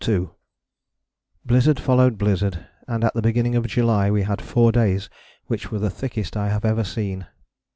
" Blizzard followed blizzard, and at the beginning of July we had four days which were the thickest I have ever seen.